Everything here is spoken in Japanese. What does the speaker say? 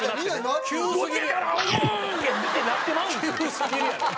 急すぎるやろ。